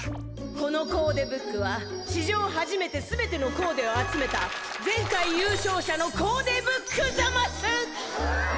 このコーデブックは史上初めてすべてのコーデを集めた前回優勝者のコーデブックざます！